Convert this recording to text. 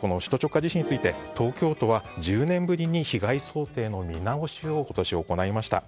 この首都直下地震について東京都は被害想定の見直しを今年、行いました。